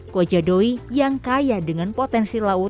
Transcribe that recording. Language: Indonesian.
kojadoi yang kaya dengan potensi laut